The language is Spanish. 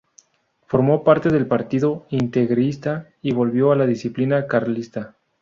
Formó parte del Partido Integrista y volvió a la disciplina carlista.